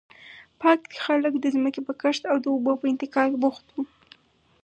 پاتې خلک د ځمکې په کښت او د اوبو په انتقال بوخت وو.